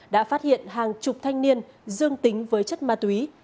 đã phát hiện hàng chục thanh niên dương tính với chất ma túy